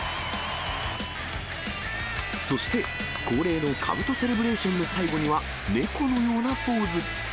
そして、恒例のかぶとセレブレーションの最後には猫のようなポーズ。